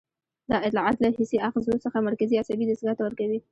دا اطلاعات له حسي آخذو څخه مرکزي عصبي دستګاه ته ورکوي.